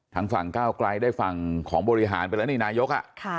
ทางฝั่งก้าวไกลได้ฝั่งของบริหารไปแล้วนี่นายก